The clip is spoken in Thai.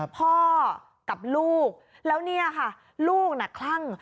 พอกับลูกแล้วนี่ลูกน่าคลั่ง